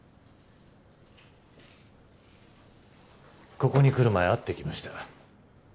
ここに来る前会ってきました。